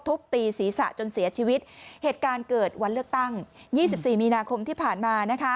ทุบตีศีรษะจนเสียชีวิตเหตุการณ์เกิดวันเลือกตั้ง๒๔มีนาคมที่ผ่านมานะคะ